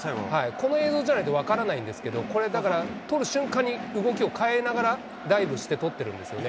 この映像じゃないと分からないんですけど、これだから、取る瞬間に動きを変えながらダイブして捕ってるんですよね。